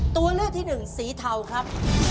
ตัวเลือกที่๑สีเทาครับ